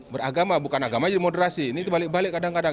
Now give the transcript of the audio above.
beragama bukan agama jadi moderasi ini itu balik balik kadang kadang